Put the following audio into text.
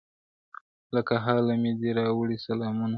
له کهاله مي دي راوړي سلامونه-